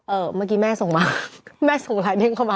เมื่อกี้แม่ส่งมาแม่ส่งไลน์เด้งเข้ามา